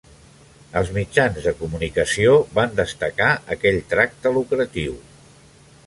Els mitjans de comunicació van destacar aquell tracte lucratiu.